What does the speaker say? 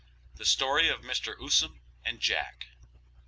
THE STORY OF MR. USOM AND JACK.